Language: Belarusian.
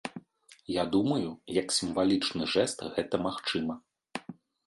Я думаю, як сімвалічны жэст гэта магчыма.